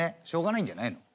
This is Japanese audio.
しょうがないんじゃないの？